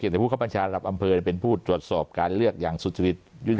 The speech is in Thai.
แต่ผู้เข้าบัญชาระดับอำเภอเป็นผู้ตรวจสอบการเลือกอย่างสุจริต